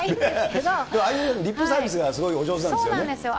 ああいう、リップサービスがすごいお上手なんですよね。